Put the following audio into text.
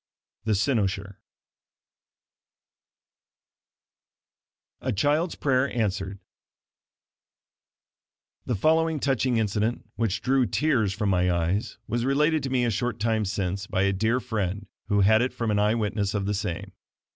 The Cynosure A CHILD'S PRAYER ANSWERED The following touching incident which drew tears from my eyes, was related to me a short time since, by a dear friend who had it from an eyewitness of the same.